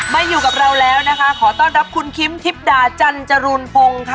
มาอยู่กับเราแล้วนะคะขอต้อนรับคุณคิมทิพดาจันจรูนพงศ์ค่ะ